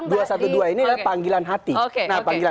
dua ratus dua belas ini adalah panggilan hati